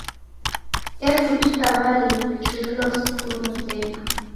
Ekundika w'alimu w'ichurilo skulu mzedu.